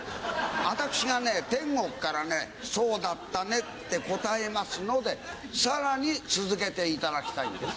私が天国から「そうだったね」って答えますのでさらに続けていただきたいんです。